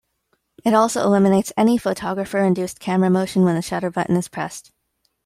It also eliminates any photographer-induced camera motion when the shutter button is pressed.